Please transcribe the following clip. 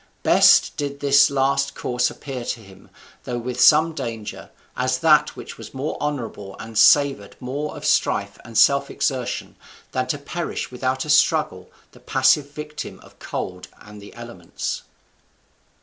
Best did this last course appear to him, though with some danger, as that which was more honourable and savoured more of strife and self exertion than to perish without a struggle the passive victim of cold and the elements.